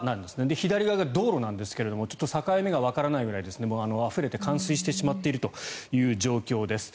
左側が道路なんですけど境目がわからないぐらいあふれて冠水してしまっている状況です。